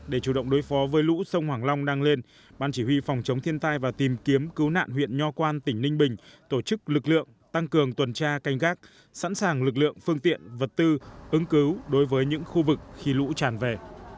để chủ động đối phó với lũ sông hoàng long đang lên ban chỉ huy phòng chống thiên tai và tìm kiếm cứu nạn huyện nho quan tỉnh ninh bình tổ chức lực lượng tăng cường tuần tra canh gác sẵn sàng lực lượng phương tiện vật tư ứng cứu đối với những khu vực khi lũ tràn về